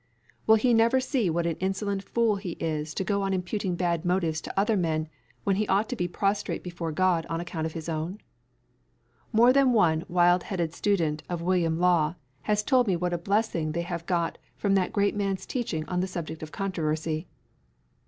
Will he never see what an insolent fool he is to go on imputing bad motives to other men, when he ought to be prostrate before God on account of his own? More than one wild headed student of William Law has told me what a blessing they have got from that great man's teaching on the subject of controversy.